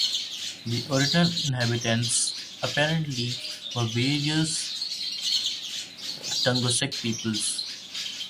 The original inhabitants apparently were various Tungusic peoples.